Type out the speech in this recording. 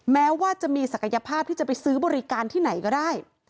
แม้ว่าจะมีศักยภาพที่จะไปซื้อบริการที่ไหนก็ได้